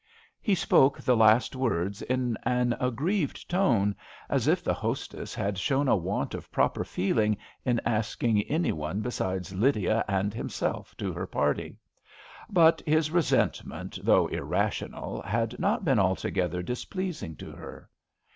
He spoke the last words in an aggrieved tone, as if the hostess had shown a want of proper feeling in asking any one besides Lydia and himself to her party ; but his resentment, though irrational, had not been alto gether displeasing to her.